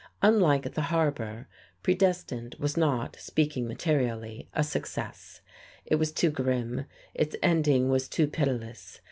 Unlike "The Harbor," "Predestined" was not, speaking materially, a success. It was too grim, its ending was too pitiless.